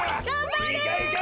いけいけ！